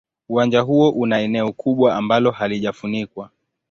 Uwanja huo una eneo kubwa ambalo halijafunikwa.